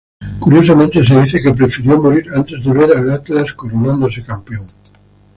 Curiosamente se dice que –prefirió morir antes de ver al Atlas coronándose campeón–.